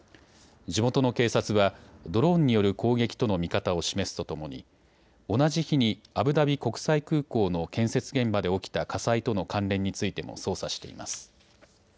地元の警察はドローンによる攻撃との見方を示すとともに同じ日にアブダビ国際空港の建設現場で起きた火災との関連についても捜査しています。